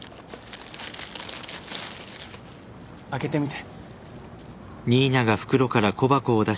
開けてみて。